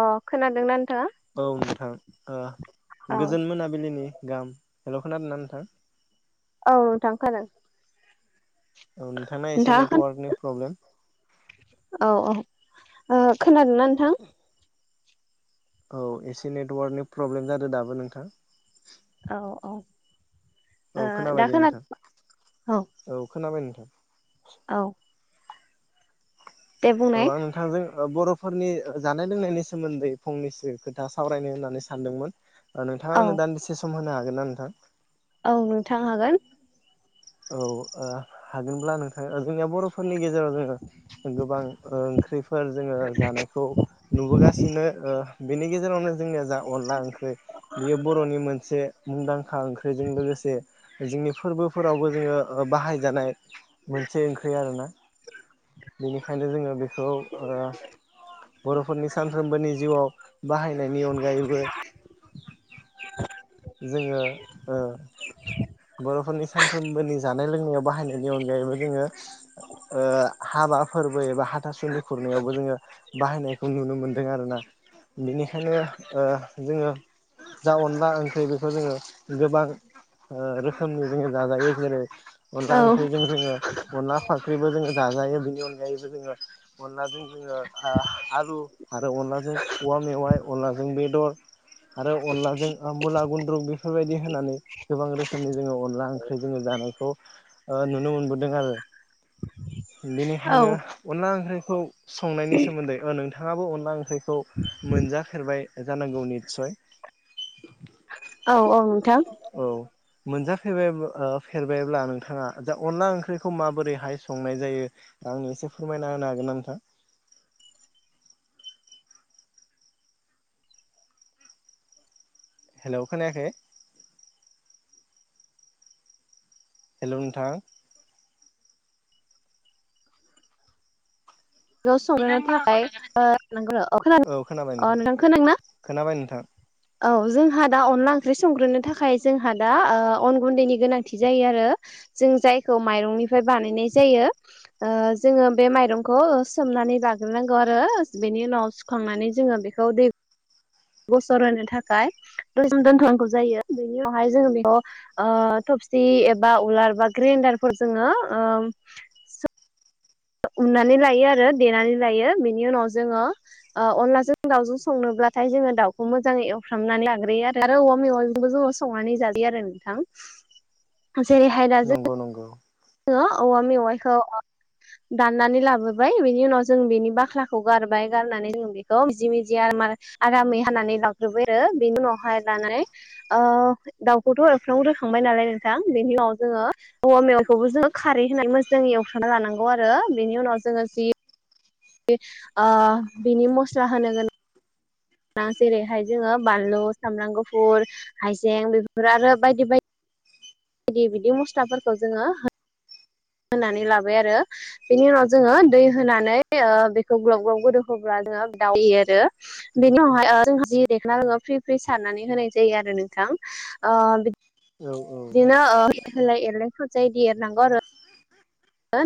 अ खोनादोंना नो औ नोंथां ओ औ गोजोन मोनाबिलिनि गाहाम हेल' खोनादोंना नोंथां? औ नोंथां खोनादों। औ नोंथाङा एसे नेटवार्कनि प्रब्लेम। औ औ ओ खोनादोंना नोंथां? औ एसे नेटवार्कनि प्रब्लेम जादों दाबो नोंथां। औ औ औ ओ दा खोनाबाय दे खोना नोंथां औ खोनाबाय नोंथां। औ। दे औ बुंनाय आं नोंथांजों ओ बर' फोरनि जानाय लोंनायनि सोमोन्दै फंनैसो खोथा सावरायनो होननानै सानदोंमोन। दा नोंथाङा औ आंनो दान्दिसे सम होनो हागोन ना नोंथां? औ नोंथां हागोन। औ हा हागोनब्ला नोंथाङा जोंनिया बर'फोरनि गेजेराव जोङो गोबां ओंख्रिफोर जोङो जानायखौ नुबोगासिनो ओ बेनि गेजेरावनो जोंनिया जा अनला ओंख्रै बेयो बर'नि मोनसे मुंदांखा ओंख्रिजों लोगोसे जोंनि फोरबोफोरावबो जानाय मोनसे ओंख्रि आरोना। बेनिखायनो जोङो बेखौ ओ बर'फोरनि सानफ्रोमबोनि जिउआव बाहायनायनि अनगायैबो जोङो ओ बर'फोरनि सानफ्रोमबोनि जानाय लोंनायाव बाहायनायनि अनगायैबो जोङो ओ हाबा फोरबो एबा हाथासुनि खुरनायावबो जोङो बाहायनायखौ नुनो मोन जों आरोना। बिनिखायनो ओ जोङो जा अनला ओंख्रि बेखौ जोङो गोबां ओ रोखोमनि जोङो जाजायो जेरै अनला औ ओंख्रिजों जोङो अनला फान ओंख्रिबो जोङो जाजायो बेनि अनगायैबो जोङो अनलाजों जोङो ओ आलु आरो अनलाजों औवा मेवाइ अनलाजों बेदर आरो अनलाजों आ मुला गुन्द्रु बे फोरबायदि होनानै गोबां रोखोमनि जोङो अनला ओंख्रि जोङो जानायखौ ओ नुनो मोनबोदों आरो। औ बेनिखायनो अनला ओंख्रिखौ संनायनि सोमोन्दै ओ नोंथाङाबो अनला ओंख्रि -खौ मोनजाफेरबाय जानांगौ निसय। औ औ नोंथां। औ। मोनजाफेरबाय ओ फेरबायब्ला नोंथाङा दा अनला ओंख्रिखौ माबोरैहाय संनाय जायो। आंनो एसे फोरमायना होनो हागोनना नोंथां। हेलौ खोनाखै। हेलौ नोथां। बेखौ संनो थाखाया ओ नोंगो। औ खोनाबाय नोंथां खोनाबाय नोंथां। औ जोंहा दा अनला ओंख्रि संग्रोनो थाखाय जोंहा दा ओ अन गुन्दैनि गोनांथि जायो आरो। जों जायखौ माइरंनिफ्राय बानायनाय जायो ओ जोङो बे माइरंखौ सोम नानै लाग्रोनांगौ आरो बेनि उनाव सुखांनानै जोङो बेखौ दै गसर होनो थाखाय दसे दोनथ'नांगौ जायो। बेनि उनावहाय जोङो बेखौ ओ थबसि एबा उलार‌ बा ग्रेन्डारफोर जोङो [inaudible] उननानै लायो आरो देनानै लायो बेनि उनाव जोङो ओ अनलाजों दाउजों संनो अब्लाथाय जोङो दाउखौ मोजाङै एवफ्रामनानै लाग्रोयो आरो औवा मेवाइजोंबो जोङो संनानै जाजायो आरो नोंथां। [inaudible] जेरैहाय दा जों नंगौ नंगौ ङो औवा मेवायखौ दाननानै लाबोबाय बेनि उनाव जों बेनि बाख्लाखौ गारबाय गारनानै जों बेखौ मिजि मिजि आराम आरामै हानानै लाग्रोबाय आरो बेनि उनावहाय लानाय ओ दाउखौथ' एवफ्राम ग्रोखांबाय नालाय नोंथां बेनि उन जोङो औवा मेवाय बेखौबो जोङो खारै होनानै मोजाङै एवख्रांना लानांगौ आरो बेनि उनाव जोङो जि ओ बिनि मस्ला होनो गोनां जेरैहाय जोङो बानलु सामब्राम गुफुर हाइजें बेफोर आरो बायदि बायदि। बिदि मस्लाफोरखौ जोङो होनानै लाबाय आरो बेनि उनाव जोङो दै होनानै ओ बेखौ ग्लब ग्लब गोदौ होब्ला [unintelligible] आरो बेनि उनावहाय ओ जोंहा जि रेखना जोङो फ्रि फ्रि सारनानै होनाय जायो आरो नोंथां। आं ओ बि औ औ दिनो ओ होलाय [unintelligible] आरो।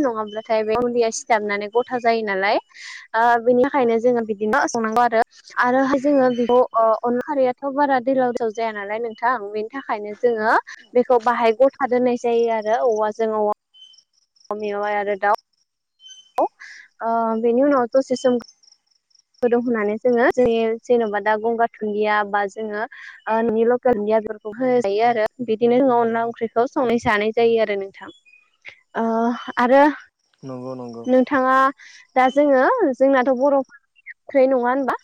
नङाब्लाथाय बे गुनदैया सिथाबनानै गथा जायो नालाय ओ बेनिखायनो जोङो बिदिनो संनांगौ आरो आरोहाय जोङो बेखौ ओ अनला खारियाथ' बारा दैलाव दैथाव जाया नालाय नोंथां। बेनि थाखायनो जोङो बेखौ बाहाय गथा दोननाय जायो आरो औवाजों औ [unintelligible] औ ओ बेेनि उनाव दसे सोम दं होननानै जोङो ज जेन'बा दा गंगार दुन्दिया बा जोङो न'नि लकेल दुदिया आदरखौ होन जायो आरो बिदिनो न अनला ओंख्रिखौ संनाय जानाय जायो आरो नोंथां ओ आरो नंगौ नंगौ नोंथाङा दा जोङो जोंनाथ' बर'फ थोनाय नङा होनबा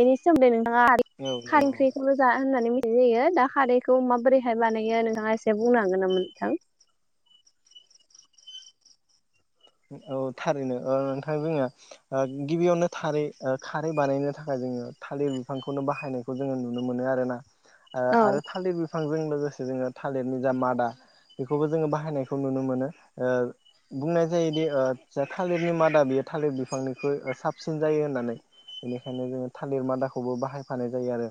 बेनि सोमोन्दै नोंथाङा आरो औ [unintelligible] खारै नंगौ ओंख्रिखौल' जा होननानै मिथिनाय जायो दा खारैखौ माबोरैहाय बानायो नोंथाङा एसे बुंनो हागोन नामा? थां। [inaudible] औ थारैनो नोंथां जोङो गिबियावनो थारै खारै बानायनो थाखाय जोङो थालिर बिफांखौनो बाहायनायखौ जोङो नुनो मोनो आरोना आरो औ थालिर बिफांजों लोगोसे लोगोसे जोङो थालिरनि जा मादा बेखौबो जोङो बाहायनायखौ नुनो मोनो बुंनाय जायोदि जा थालिरनि मादा बेयो थालिर बिफांनिखौ साबसिन जायो होननानै बेनिखायनो जोङो थालिर मादाखौबो बाहायफानाय जायो आरो।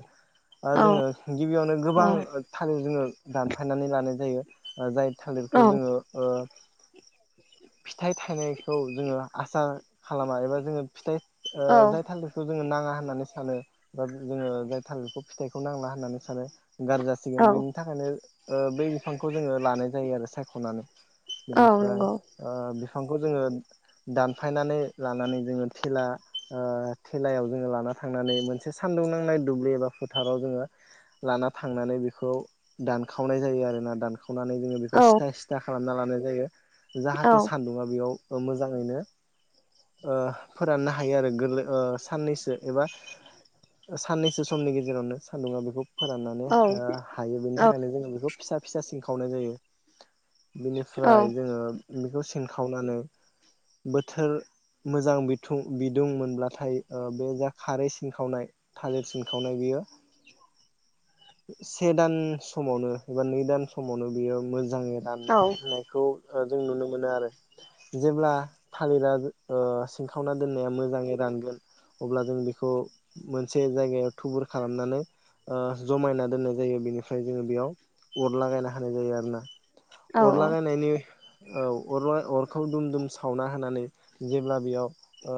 औ जोङो गिबियावनो गोबां थालिर जोङो दानफायनानै लानाय जायो जाय थालिरखौ औ जोङो ओ फिथाइ थायनाय खौ जोङो आसा खालामा एबा जोङो फिथाइ औ जाय थालिरखौ जोङो नाङा मानो सानो बा जोङो जाय थालिरखौ फिथाइखौ नांला होननानै सानो। गारज जासिगोन औ बेनि थाखायनो बे बिफांखौ जोङो लानाय जायो आरो सायख'नानै औ बेनिफ्राय नंगौ ओ बिफांखौ जोङो दानफायनानै लानानै जोङो थेला थेलायाव जोङो लाना थांनानै मोनसे एसे सान्दुं नांनाय दुब्लि एबा फोथाराव जोङो लाना थांनानै बेखौ दानखावनाय जायो आरोना दानख सनानै जोङो बेखौ औ सिथा सिथा खालामना लानाय जायो औ जाहाथे सान्दुंङा बेयाव मोजाङैनो। ओ फोराननो हायो आरो गोरलै ओ साननैसो एबा साननैसो समनि गेजेरावनो सान्दुंङा बेखौ फोराननानै ओ औ हायो बेनि औ थाखायनो जोङो बेखौ फिसा फिसा सिंखावनाय जायो। औ बेनिफ्राय जोङो बेखौ सिनखावनानै बोथोर मोजां बि बिदुं मोनब्लाथाय बे जा खारै सिन खावनाय थालिर सिन खावनाय बेयो से दान समावनो एबा नै दान समावनो बियो मो जोङो राननायखौ जों नुनो मोनो आरो। जेब्ला थालिरा ओ सिंखावना दोननाया मोजाङै रानगोन अब्ला जों बेखौ मोनसे जायगायाव थुबुर खालामनानै जमायना दोननाय जायो बेनिफ्राय जोङो बेयाव अर लागायना होनाय जायो आरो ना अनला होनायनि ओ [unintelligible] खौ दुम दुम सावना होनानै जेब्ला बेयाव ओ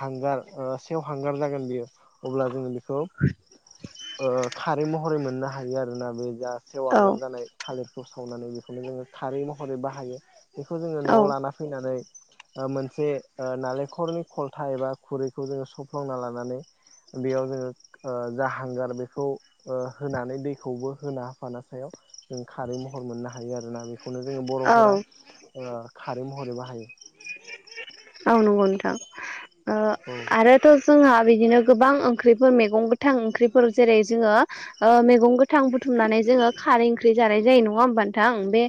हांगार सेव हांगार जागोन बियो अब्ला जोङो बेखौ ओ खारै महरै मोननो हायो आरोना बे जा औ सेवांगार जानाय थालिरखौ सावनानै बेखौनो जोङो खारै महरै बाहायो बेखौ जों न'आव औ लाना फैनानै मोनसे नालेंखरनि खलथा एबा खुरैखौ जोङो सौफ्लंना लानानै बेयाव जोङो जा हांगार बेखौ होनानै दैखौबो होना होफाना सायाव जों खारै महर मोननो हायो आरोना बेखौनो जोङो बर'फोरा औ ओ खारै महरै बाहायो। औ नंगौ नोंथां ओ औ आरोथ' जोंहा बिदिनो, गोबां ओंख्रिफोर मैगं गोथां ओंख्रिफोर जेरै जोङो मैगं गो थां बुथुमनानै जोङो खारै ओंख्रि जानाय जायो नङा होमब नोंथां? बे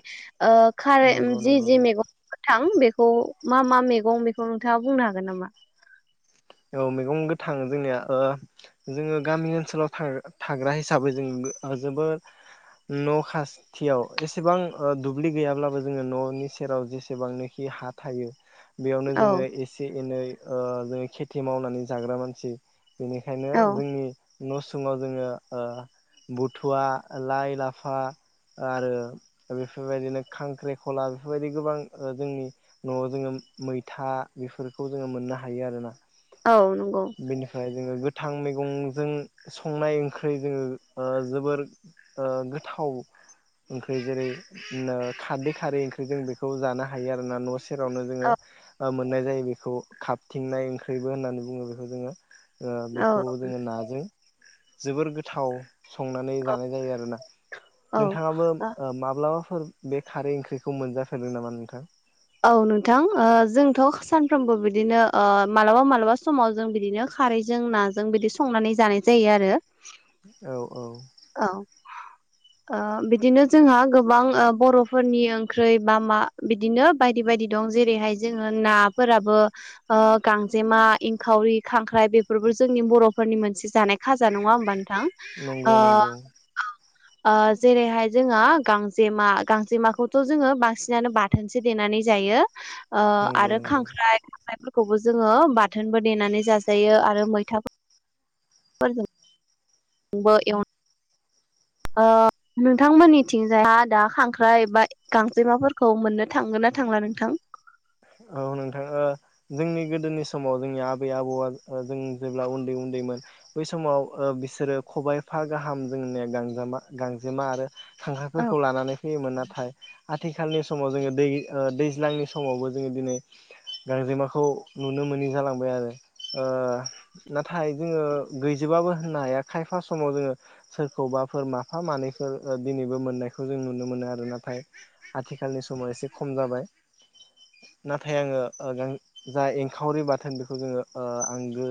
ओ खारै नंगौ जि नंगौ जि मैगं गोथां बेखौ मा मा मैगं बेखौ नोंथाङा बुंनो हागोन नामा? औ मैगं गोथां जोंनिया जोङो गामि ओनसोलाव थाग्रा हिसाबै जों जोबोद न' खाथियाव एसेबां दुब्लि गैयाब्लाबो जोङो न'नि सेराव जेसेबांनोखि - हा थायो। बेयावनो औ जोङो एसे एनै ओ जोङो खेथि मावनानै जाग्रा मानसि बेनिखायनो औ जोंनि न' उसुङाव जोङो बुथुवा लाइ लाफा आरो बेफोरबायदिनो खांख्रिखला बेफोरबायदि गोबां जोंनि न'आव जोङो। मैथा बेफोरखौ जोङो मोननो हायो आरोना, औ नंगौ बेनिफ्राय जोङो गोथां मैगंजों संनाय ओंख्रि जोङो जोबोर गोथाव ओंख्रि जेरै खारदै खारै ओंख्रि जों बेखौ जानो हायो आरो ना न' सेरावनो औ जोङो मोननाय जायो बेखौ खाबथिंनाय ओंख्रिबो होननानै बुङो बेखौ जोङो। ओ औ बेखौ जोङो नाजों जोबोर गोथाव। संनानै जानाय जायो आरोना, औ नोंथाङाबो माब्लाबा बे खारै ओंख्रिखौ मोनजाफेरदों नामा नोंथां? औ नोंथां जोंथ' सानफ्रोमबो बिदिनो मालाबा मालाबा समाव जों बिदिनो। खारैजों नाजों बिदि संनानै जानाय जायो आरो। औ औ औ ओ बिदिनो जोंहा गोबां बर'फोरनि ओंख्रि बा मा बिदिनो बायदि। बायदि दं जेरैहाय जोंङो नाफोराबोगांजेमा एंखावरि खांख्राइ बे। बेफोरबो जोंनि बर'फोरनि मोनसे जानाय खाजा नङा होमबा नोंथां। नंगौ ओ नंगौ। ओ जेरैहाय जोङो गांजेमा गांजेमाखौथ' जोङो बांसिनानो बाथोनसो देनानै। नानै जायो ओ नंगौ आरो नंगौ खांख्राइ। खाइफोरखौबो जोङो बाथोनबो देनानै जाजायो आरो मैथा ज ब [unintelligible] ओ नोंथांमोननिथिंजायहा दा खांख्राइ बा गांजेमाफोरखौ मोननो थांगोन। थांला नोंथां। औ नोंथां जोंनि गोदोनि समाव जोंनि आबै आबौआ जों जेब्ला उन्दै उन्दै। उन्दैमोन बै समाव बिसोरो खबायफा गाहाम जोंनिया गांजामा गांजेमा आरो। औ खांख्राफोरखौ लानानै फैयोमोन नाथाय। आथिखालनि समाव जोङो दै दैज्लांनि समावबो जोङो दिनै। गांजेमाखौ नुनो मोनोै जालांबाय आरो ओ नाथाय जोङो गैजोब। होननो हाया खायफा समाव जोङो सोरखौबाफोर माफा मानैफोर दिनैबो मोननायखौ जों। नुनो मोनो आरो नाथाय आथिखालनि समाव एसे खम जाबाय। नाथाय आङो जा एंखावरि बाथोन बेखौ जोङो ओ आंगो।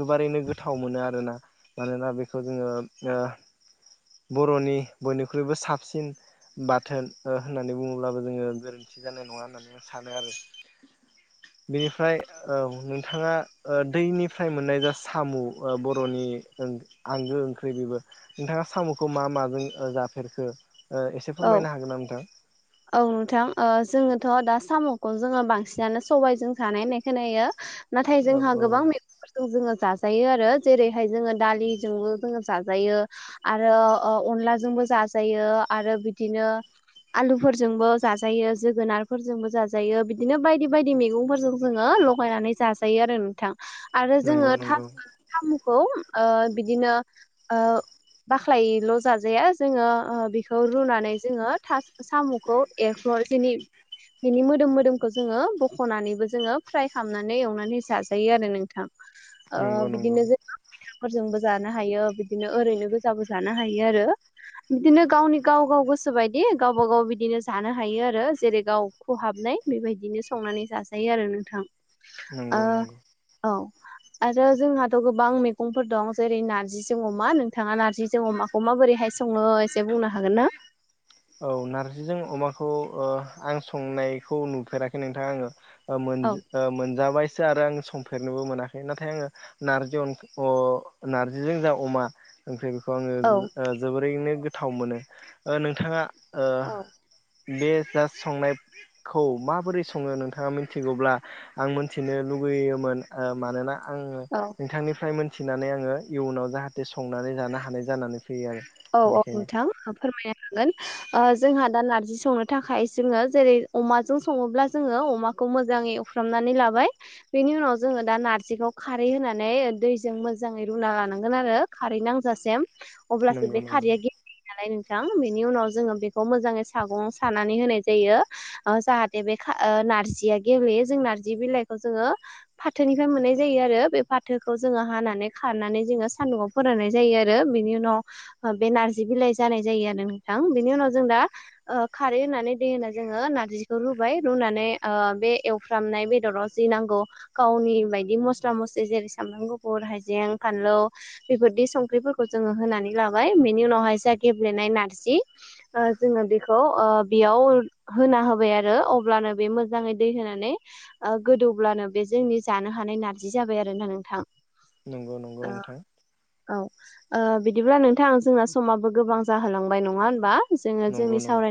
गोबारैनो गोथाव मोनो आरोना मानोना बेखौ जोङो ओ। बर'नि बयनिख्रुइबो साबसिन बाथोन होननानै बुङोब्लाबो जोङो गोरोन्थि जानाय नङा होननानै आं सानो आरो। [inaudible] बेनिफ्राय औ नोंथाङा दैनिफ्राय मोननाय जा सामु ओ बर'नि। आंगो ओंख्रि बेबो नोंथाङा साम'खौ मा माजों जाफेरखो? एसे औ फोरमायनो हागोन ना नोंथां। औ नोंथां जोङोथ' दा साम'खौ जोङो बांसिनानो सबाइजों जानाय होननाय खोनायो। नाथाय औ जोंहा औ गोबां मेगंफोरजों जोङो। जाजायो आरो जेरै दालिजोंबो जाजियो आरो अनलाजोंबो जाजायो आरो बिदिनो आलु फोरजोंबो जाजायो जोगोनारफोरजोंबो जाजायो बिदिनो बायदि बायदि मैगंफोरजों जोङो लगायनानै। नै जाजायो आरो नोंथां आरो जोङो नंगौ था नंगौ सामुखौ। ओ बिदिनो ओ बाख्लायल' जाजाया जोङो बेखौ रुनानै जोङो था साम'खौ एरख्ल' जनि बिनि मोदोम मोदोमखौ जोङो बख'नानैबो जोङो फ्राय खालाम खामनानै एवनानै जाजायो आरो नोंथां ओ नंगौ नंगौ बिदिनो ज फोरफोरजोंबो जानो हायो बिदिनो ओरैनो गोजाबो जानो हायो आरो। बिदिनो गावनि गाव गाव गोसोबायदि गावबा गाव बिदिनो जानो हायो आरो जेरै गाव खहाबनाय बेबायदिनो संनानै जाजायो आरो नोंथां। नंगौ ओ नंगौ। औ आरो जोंहाथ' गोबां मैगंफोर दं जेरै नारजिजों अमा नोंथाङा नारजि। जि जोङो माखौ माबोरैहाय सङो एसे बुंनो हागोन ना? औ नारजिजों अमाखौ ओ आं संनायखौ नुफेराखै नोंथां आङो। ओ मोन औ मोनजाबाय। जा आरो आं संफेरनोबो मोनाखै नाथाय आङो नारजि अन ओ नार्जिजों जा अमा। ओमफ्राय बे खौ औ आङो जोबोरैनो गोथाव मोनो नोंथांङा ओ औ बे जास संनाय खौ माबोरै सङो नोंथाङा मिथिगौब्ला आं मिथिनो लुगैयोमोन मानोना आङो औ नोंथांनिफ्राय मोनथिनानै आङो इयुनाव जाहाथे संनानै जानो हानाय जानानै फैयो आरो औ औ बेनिखायनो नोंथां फोरमायनो हागोन ओ जोंहा दा नारजि संनो थाखाय जोङो जेरै अमाजों सङोब्ला जोङो अमाखौ मोजां एउफ्रामनानै लाबाय बेनि उनाव जोङो दा नारजिखौ खारै होनानै दैजों मोजै रु होना लानांगोन आरो खारै नांजासेम। नंगौ बे नंगौ खारिया गेबलेयो नालाय नों बेनि उनाव जोङो बेखौ मोजाङै सागं सानानै होनाय जायो जाहाथे बे नारजिया गेबेयो जों नारजि बिलाइखौ जोङो फाथोनिफ्राय मोननाय जायो आरो बे फाथोखौ जोङा। हानानै खानानै जोङो सान्दुंआव फोराननाय जायो आरो बिनि उनाव बे नारजि बिलाइ जानाय जायो आरो नोंथां बेनि उनाव जों दा ओ खारै होननानै दै होना जोङो नारजिखौ रुबाय रुनानै बे एवफ्रामनाय बेदराव जि नांगौ गावनि बायदि मस मस्ला मसलि जेरै सामब्राम गुफुर हायजें फानलौ बेफोरदि संख्रिफोरखौ जोङो होनानै ला बिनि उनावहाय जोंहा गेब्लेनाय नारजि ओ जोङो बेखौ जा होबाय आरो अब्लानो बे मोजाङै दै होनानै गोदौब्लानो बे जोंनि जानो हानाय ना जि जाबाय आरो ना नोंथां। नंगौ नंगौ ओ नोंथां। औ ओ बिदिब्ला नोंथां जोंना समाबो गोबां जाहोलांबाय नङा होनबा जोङो नंगौ नंगौ जोंनि सावराय।